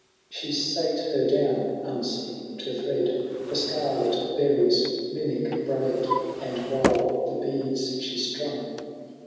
She gate her down, unseen, to thread The scarlet berry^s mimic braid, And while the beads she strung.